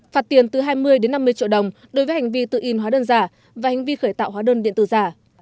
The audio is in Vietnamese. phạt tiền từ hai mươi năm mươi triệu đồng đối với hành vi tự in hóa đơn giả và hành vi khởi tạo hóa đơn điện tử giả